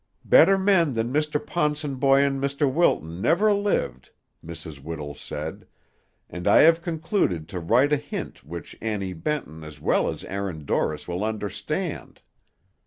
"Better men than Mr. Ponsonboy and Mr. Wilton never lived," Mrs. Whittle said, "and I have concluded to write a hint which Annie Benton as well as Allan Dorris will understand.